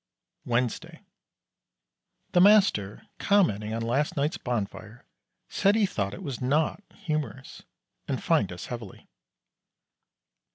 Wednesday. The master commenting on last night's bonfire said he thought it was not humorous, and fined us heavily.